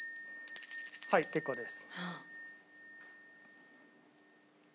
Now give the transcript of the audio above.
はい結構です。